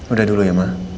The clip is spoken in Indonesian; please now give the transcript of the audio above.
udah dulu ya ma